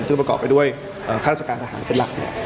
ซึ่งประกอบไปด้วยข้าราชการทหารเป็นหลักเนี่ย